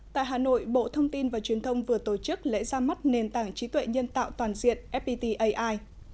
tại hà nội bộ thông tin và truyền thông vừa tổ chức lễ ra mắt nền tảng trí tuệ nhân tạo toàn diện fpt ai